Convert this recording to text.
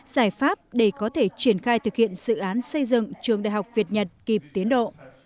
giải pháp để có thể triển khai thực hiện dự án xây dựng trường đại học việt nhật kịp tiến độ